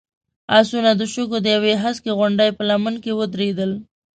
آسونه د شګو د يوې هسکې غونډۍ په لمنه کې ودرېدل.